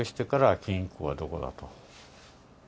金庫はどこだと。